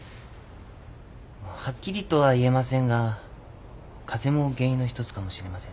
はっきりとは言えませんが風邪も原因の一つかもしれませんね。